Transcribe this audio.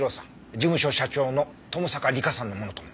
事務所社長の友坂梨香さんのものとも。